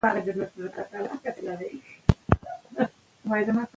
هغه په ډېر اخلاص سره د پښتو ژبې لپاره خپل عمر تېر کړ.